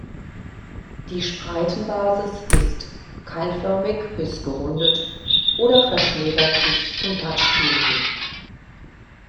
Die Spreitenbasis ist keilförmig bis gerundet oder verschmälert sich zum Blattstiel hin.